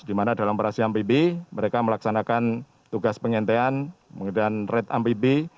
di mana dalam operasi amfibi mereka melaksanakan tugas pengentean menggunakan red amfibi